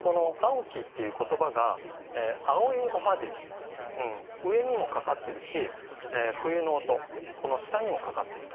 この「蒼き」っていう言葉が蒼いおはじき上にもかかってるし冬の音この下にもかかってると。